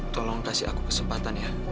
tolong kasih aku kesempatan ya